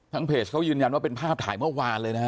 เพจเขายืนยันว่าเป็นภาพถ่ายเมื่อวานเลยนะฮะ